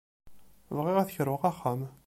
Bɣiɣ ad kruɣ axxam.